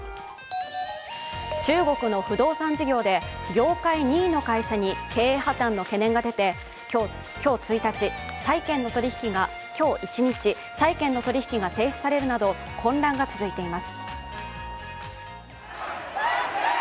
中国の不動産事業で業界２位の会社に経営破綻の懸念が出て、今日一日、債権の取引が停止されるなど混乱が続いています。